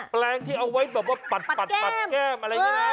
แปลงที่เอาไว้แบบว่าปัดแก้มอะไรอย่างนี้นะ